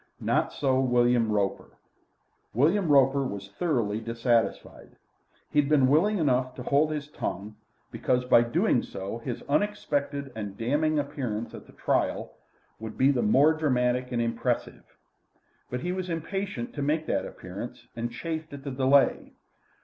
Not so William Roper; William Roper was thoroughly dissatisfied. He had been willing enough to hold his tongue, because by so doing his unexpected and damning appearance at the trial would be the more dramatic and impressive. But he was impatient to make that appearance, and chafed at the delay.